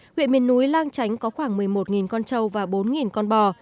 huyện miền núi lang chánh có khoảng một mươi một con trâu và bốn con bò